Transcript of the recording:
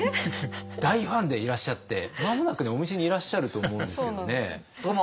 大ファンでいらっしゃって間もなくお店にいらっしゃると思うんですけどね。